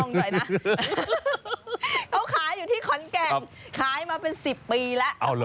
เขาขายอยู่ที่ขอนแก่นขายมาเป็น๑๐ปีแล้ว